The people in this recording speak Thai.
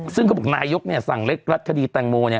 ซึ่งเขาบอกนายกเนี่ยสั่งเล็กรัดคดีแตงโมเนี่ย